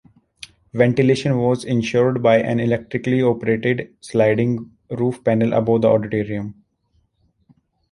Ventilation was ensured by an electrically operated sliding roof panel above the auditorium.